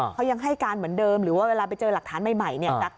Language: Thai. เขายังให้การเหมือนเดิมหรือว่าเวลาไปเจอหลักฐานใหม่เนี่ย